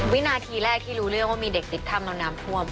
วินาทีแรกที่รู้เรื่องว่ามีเด็กติดถ้ำแล้วน้ำท่วม